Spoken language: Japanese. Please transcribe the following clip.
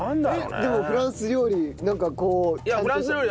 でもフランス料理なんかこうちゃんとした。